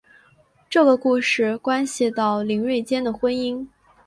这个故事关系到林瑞间的婚姻。